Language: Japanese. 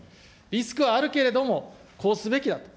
リスクはあるけれども、こうすべきだと。